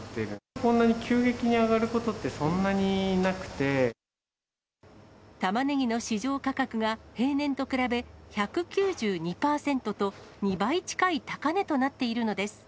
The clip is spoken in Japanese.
こんなに急激に上がることって、タマネギの市場価格が、平年と比べ、１９２％と、２倍近い高値となっているのです。